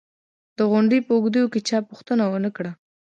د غونډې په اوږدو کې چا پوښتنه و نه کړه